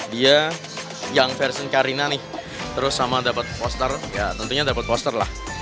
dia yang version karina nih terus sama dapat poster ya tentunya dapat poster lah